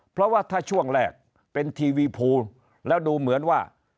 เพราะว่าถ้าช่วงแรกเป็นทีวีพูลแล้วดูเหมือนว่า